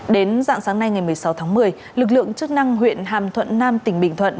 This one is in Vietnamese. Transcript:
đến dạng sáng nay ngày một mươi sáu tháng một mươi lực lượng chức năng huyện hàm thuận nam tỉnh bình thuận